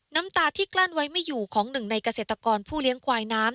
น้ำตาที่กลั้นไว้ไม่อยู่ของหนึ่งในเกษตรกรผู้เลี้ยงควายน้ำ